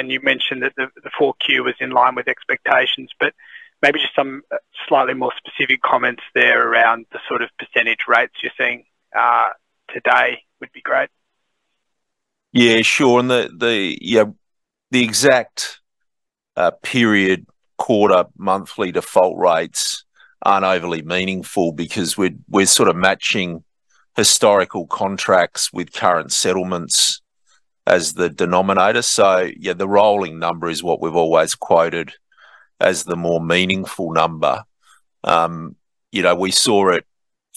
You mentioned that the 4Q was in line with expectations, but maybe just some slightly more specific comments there around the sort of percentage rates you're seeing today would be great. Yeah, sure. The exact period, quarter, monthly default rates aren't overly meaningful because we're sort of matching historical contracts with current settlements as the denominator. The rolling number is what we've always quoted as the more meaningful number. You know, we saw it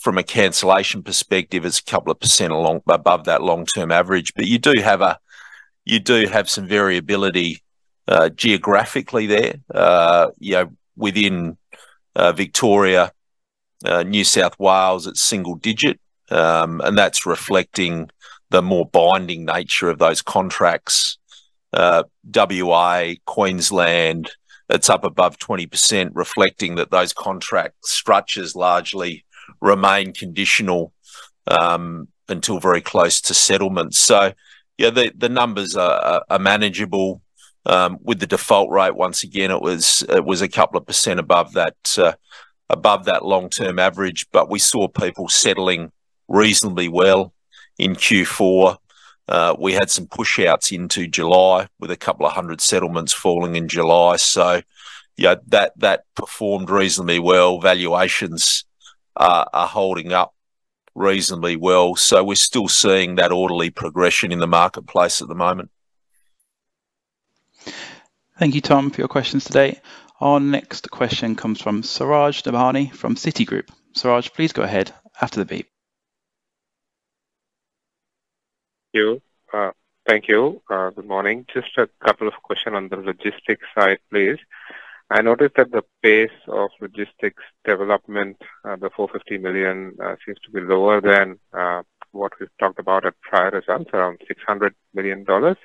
from a cancellation perspective as a couple of % above that long-term average. You do have some variability geographically there. You know, within Victoria, New South Wales, it's single digit, and that's reflecting the more binding nature of those contracts. Queensland, it's up above 20%, reflecting that those contract structures largely remain conditional until very close to settlement. The numbers are manageable. With the default rate, once again, it was a couple of percent above that, above that long-term average, we saw people settling reasonably well in Q4. We had some push outs into July, with a couple of hundred settlements falling in July. Yeah, that performed reasonably well. Valuations are holding up reasonably well, we're still seeing that orderly progression in the marketplace at the moment. Thank you, Tom, for your questions today. Our next question comes from Suraj Nebhani from Citigroup. Suraj, please go ahead after the beep. Thank you. Thank you. Good morning. Just a couple of questions on the logistics side, please. I noticed that the pace of logistics development, the 450 million, seems to be lower than what we've talked about at prior results, around 600 million dollars.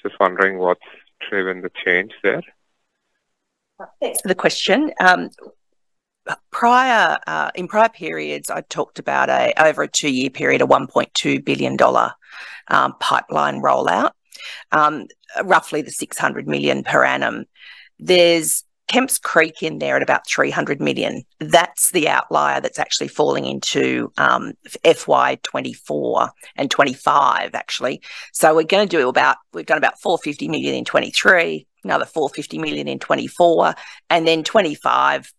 Just wondering what's driven the change there? Thanks for the question. In prior periods, I talked about a over a two-year period, a 1.2 billion dollar pipeline rollout, roughly the 600 million per annum. There's Kemps Creek in there at about 300 million. That's the outlier that's actually falling into FY 2024 and 2025, actually. We've got about 450 million in 2023, another 450 million in 2024, and then 2025,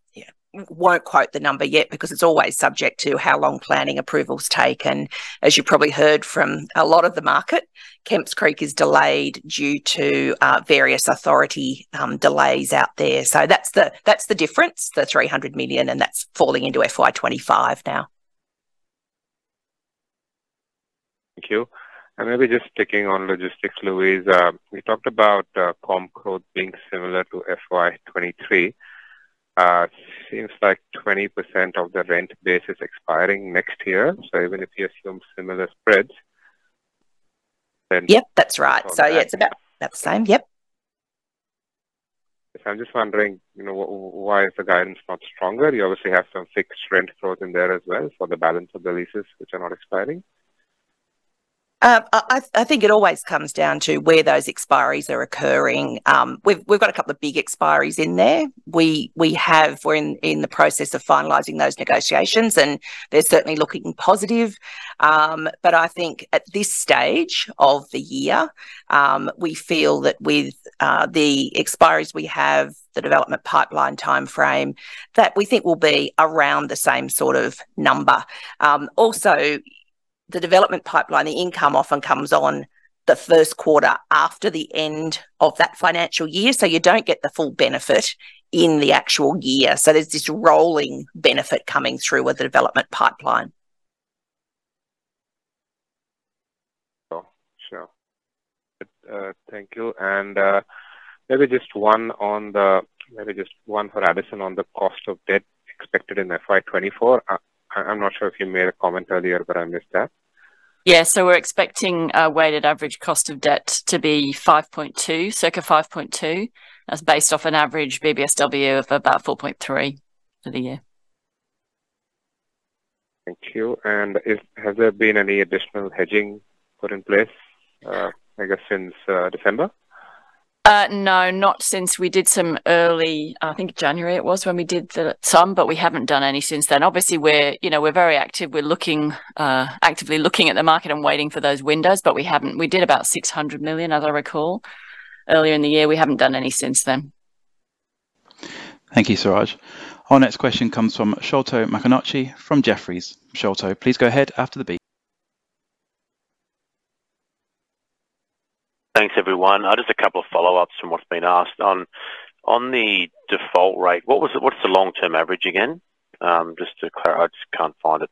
yeah, won't quote the number yet because it's always subject to how long planning approvals take, and as you probably heard from a lot of the market, Kemps Creek is delayed due to various authority delays out there. That's the difference, the 300 million, and that's falling into FY 2025 now. Thank you. Maybe just checking on logistics, Louise. We talked about Comp Growth being similar to FY 23. Seems like 20% of the rent base is expiring next year, so even if you assume similar spreads. Yep, that's right. Okay. yeah, it's about the same. Yep. I'm just wondering, you know, why is the guidance not stronger? You obviously have some fixed rent growth in there as well for the balance of the leases, which are not expiring. I think it always comes down to where those expiries are occurring. We've got a couple of big expiries in there. We're in the process of finalizing those negotiations, and they're certainly looking positive. I think at this stage of the year, we feel that with the expiries, we have the development pipeline timeframe that we think will be around the same sort of number. The development pipeline, the income often comes on the first quarter after the end of that financial year, so you don't get the full benefit in the actual year. There's this rolling benefit coming through with the development pipeline. Sure. Thank you, maybe just one for Alison on the cost of debt expected in FY24. I'm not sure if you made a comment earlier, but I missed that. Yeah. We're expecting a weighted average cost of debt to be 5.2, circa 5.2. That's based off an average BBSW of about 4.3 for the year. Thank you, has there been any additional hedging put in place, I guess since December? No, not since we did some early... I think January it was when we did the some, but we haven't done any since then. Obviously, we're, you know, we're very active. We're looking, actively looking at the market and waiting for those windows, but we haven't. We did about 600 million, as I recall, earlier in the year. We haven't done any since then. Thank you, Suraj. Our next question comes from Sholto Maconochie from Jefferies. Sholto, please go ahead after the beep. Thanks, everyone. just a couple of follow-ups from what's been asked. On the default rate, what's the long-term average again? just to clarify, I just can't find it.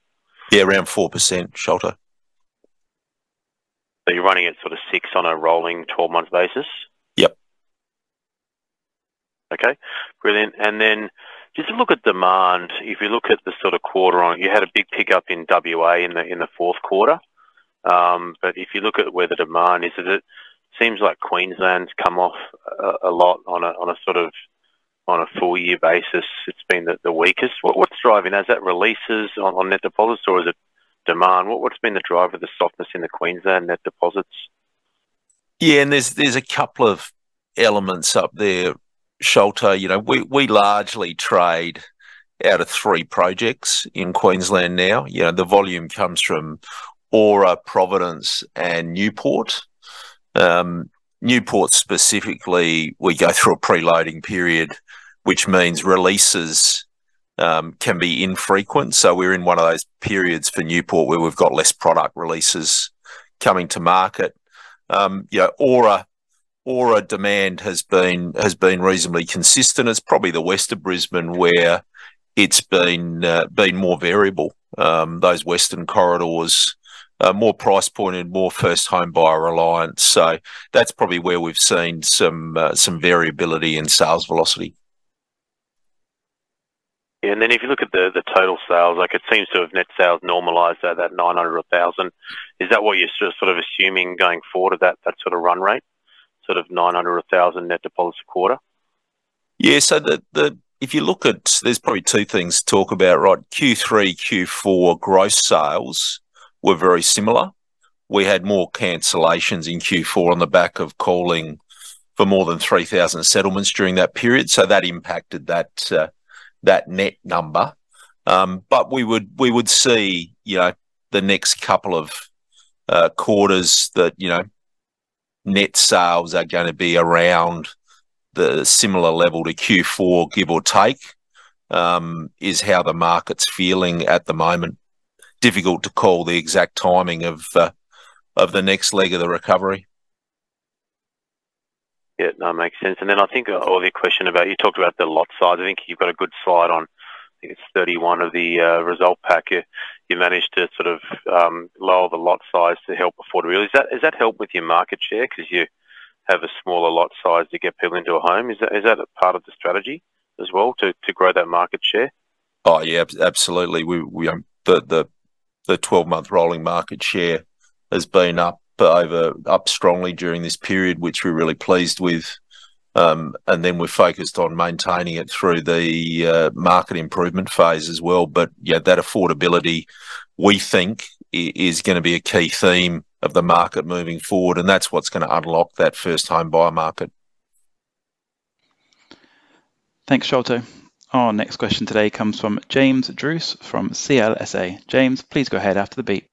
Yeah, around 4%, Sholto. You're running at sort of 6 on a rolling 12-month basis? Yep. Okay, brilliant. Just to look at demand, if you look at the sort of quarter on, you had a big pickup in WA in the fourth quarter. If you look at where the demand is, it seems like Queensland's come off a lot on a full year basis, it's been the weakest. What's driving as that releases on net deposits or is it demand? What's been the driver of the softness in the Queensland net deposits? There's a couple of elements up there, Sholto. You know, we largely trade out of 3 projects in Queensland now. You know, the volume comes from Aura, Providence, and Newport. Newport, specifically, we go through a pre-loading period, which means releases can be infrequent. We're in one of those periods for Newport, where we've got less product releases coming to market. You know, Aura demand has been reasonably consistent. It's probably the West of Brisbane, where it's been more variable. Those western corridors, more price pointed, more first home buyer reliance. That's probably where we've seen some variability in sales velocity. Yeah, if you look at the total sales, like it seems to have net sales normalized at that 900,000. Is that what you're sort of assuming going forward to that sort of run rate, sort of 900,000 net deposits a quarter? There's probably two things to talk about, right? Q3, Q4 gross sales were very similar. We had more cancellations in Q4 on the back of calling for more than 3,000 settlements during that period, so that impacted that net number. We would see, you know, the next couple of quarters that, you know, net sales are gonna be around the similar level to Q4, give or take, is how the market's feeling at the moment. Difficult to call the exact timing of the next leg of the recovery. Yeah, that makes sense. I think on your question about, you talked about the lot size. I think you've got a good slide on, I think it's 31 of the result pack. You managed to sort of lower the lot size to help afford. Really, has that helped with your market share? 'Cause you have a smaller lot size to get people into a home. Is that a part of the strategy as well, to grow that market share? Yeah, absolutely. We, the 12-month rolling market share has been up strongly during this period, which we're really pleased with. Then we're focused on maintaining it through the market improvement phase as well. Yeah, that affordability, we think, is gonna be a key theme of the market moving forward, and that's what's gonna unlock that first-time buyer market. Thanks, Sholto. Our next question today comes from James Druce from CLSA. James, please go ahead after the beep.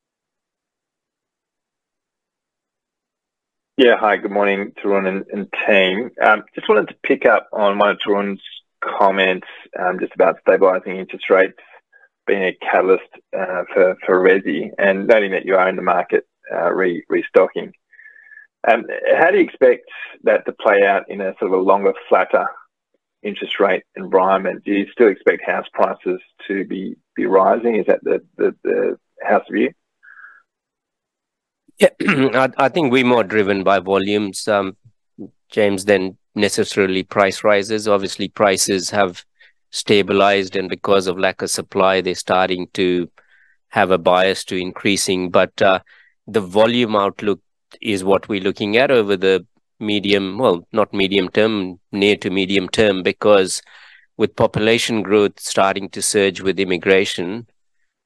Hi, good morning, Tarun and team. Just wanted to pick up on one of Tarun's comments about stabilizing interest rates being a catalyst for resi and noting that you are in the market re-restocking. How do you expect that to play out in a sort of a longer, flatter interest rate environment? Do you still expect house prices to be rising? Is that the house view? Yeah. I think we're more driven by volumes, James, than necessarily price rises. Obviously, prices have stabilized, and because of lack of supply, they're starting to have a bias to increasing. The volume outlook is what we're looking at over the medium. Well, not medium term, near to medium term, because with population growth starting to surge with immigration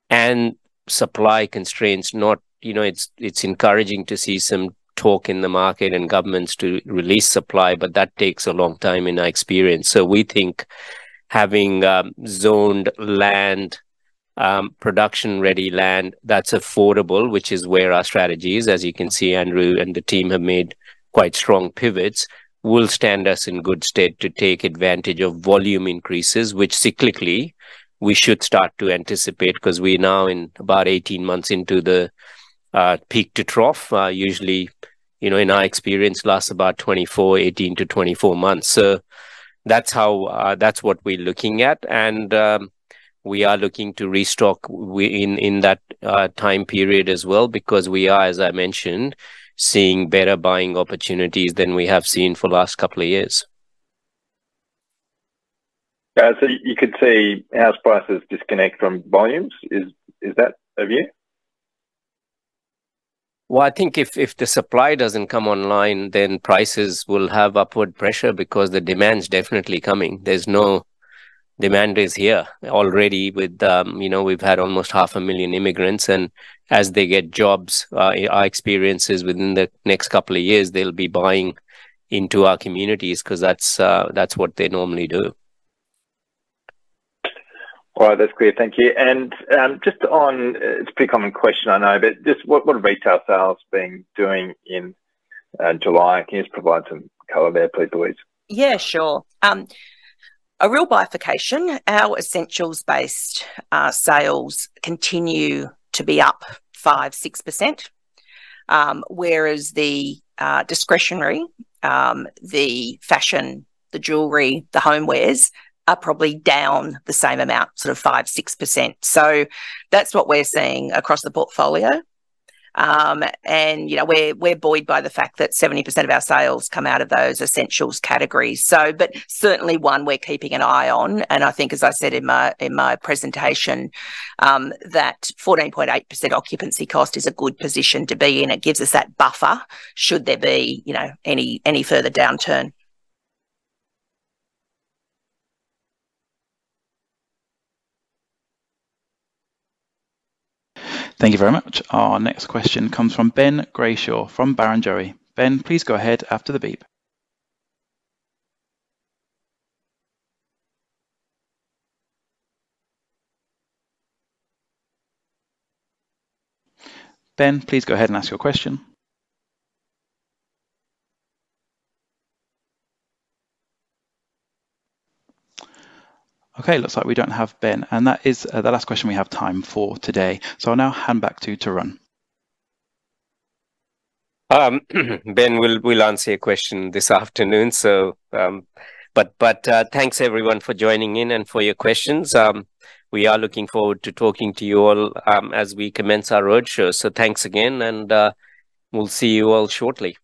and supply constraints, not, you know, it's encouraging to see some talk in the market and governments to release supply, but that takes a long time in our experience. We think having zoned land, production-ready land that's affordable, which is where our strategy is, as you can see, Andrew and the team have made quite strong pivots, will stand us in good stead to take advantage of volume increases, which cyclically we should start to anticipate 'cause we're now in about 18 months into the peak to trough. Usually, you know, in our experience, lasts about 24, 18-24 months. That's how that's what we're looking at, and we are looking to restock in that time period as well because we are, as I mentioned, seeing better buying opportunities than we have seen for the last couple of years. You could see house prices disconnect from volumes, is that a view? Well, I think if the supply doesn't come online, then prices will have upward pressure because the demand's definitely coming. Demand is here already with, you know, we've had almost half a million immigrants, and as they get jobs, our experience is within the next couple of years they'll be buying into our communities 'cause that's what they normally do. All right, that's clear. Thank you. Just on, it's a pretty common question, I know, but just what have retail sales been doing in July? Can you just provide some color there, please, Louise? Yeah, sure. A real bifurcation. Our essentials-based, sales continue to be up 5%, 6%. Whereas the discretionary, the fashion, the jewellery, the homewares, are probably down the same amount, sort of 5%, 6%. That's what we're seeing across the portfolio. You know, we're buoyed by the fact that 70% of our sales come out of those essentials categories. Certainly one we're keeping an eye on, and I think, as I said in my, in my presentation, that 14.8% occupancy cost is a good position to be in. It gives us that buffer should there be, you know, any further downturn. Thank you very much. Our next question comes from Ben Brayshaw from Barrenjoey. Ben, please go ahead after the beep. Ben, please go ahead and ask your question. Okay, looks like we don't have Ben, and that is the last question we have time for today. I'll now hand back to Tarun. Ben, we'll answer your question this afternoon. Thanks, everyone, for joining in and for your questions. We are looking forward to talking to you all as we commence our roadshow. Thanks again, and we'll see you all shortly.